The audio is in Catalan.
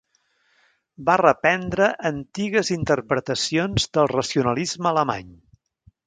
Va reprendre antigues interpretacions del racionalisme alemany.